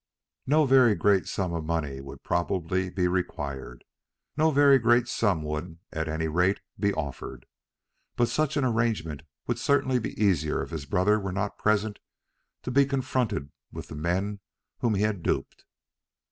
No very great sum of money would probably be required. No very great sum would, at any rate, be offered. But such an arrangement would certainly be easier if his brother were not present to be confronted with the men whom he had duped.